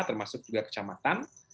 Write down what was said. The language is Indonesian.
termasuk juga kecamatan